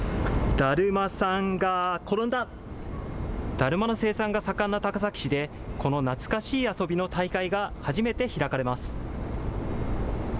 だるまの生産が盛んな高崎市で、この懐かしい遊びの大会が、初めて開かれます。